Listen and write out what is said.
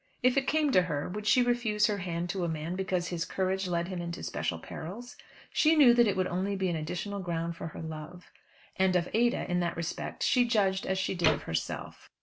If it came to her would she refuse her hand to a man because his courage led him into special perils? She knew that it would only be an additional ground for her love. And of Ada, in that respect, she judged as she did of herself.